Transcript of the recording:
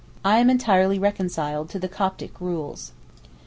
I am entirely reconciled to the Coptic rules.